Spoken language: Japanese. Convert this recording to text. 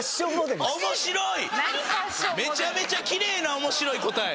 めちゃめちゃきれいな面白い答え。